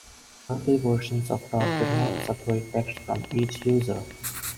Early versions of talk did not separate text from each user.